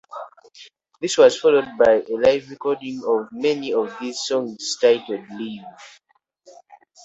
This was followed by a live recording of many of these songs titled "Live".